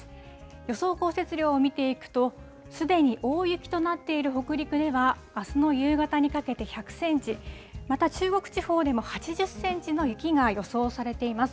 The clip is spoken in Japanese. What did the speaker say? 予想降雪量を見ていくと、すでに大雪となっている北陸では、あすの夕方にかけて１００センチ、また中国地方でも８０センチの雪が予想されています。